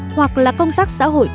hoặc là công tác xã hội tự nguyện